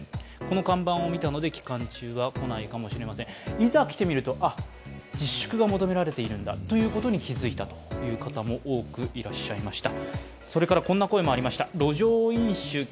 いざ来てみると、自粛が求められているんだということに気付いたという方も多くいらっしゃいました。